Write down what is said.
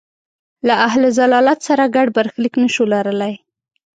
له اهل ضلالت سره ګډ برخلیک نه شو لرلای.